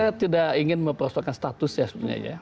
saya tidak ingin mempersoalkan status ya sebenarnya ya